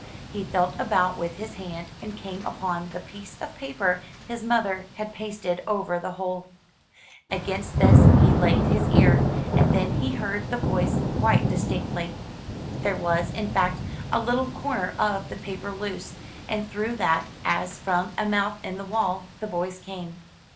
He felt about with his hand, and came upon the piece of paper his mother had pasted over the hole. Against this he laid his ear, and then he heard the voice quite distinctly. There was, in fact, a Uttle corner of the paper loose, and through that, as from a mouth in the wall, the voice came.